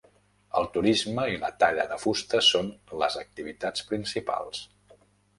El turisme i la talla de fusta són les activitats principals.